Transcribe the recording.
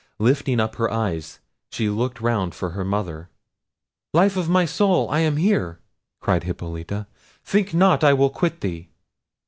Lifting up her eyes, she looked round for her mother. "Life of my soul, I am here!" cried Hippolita; "think not I will quit thee!"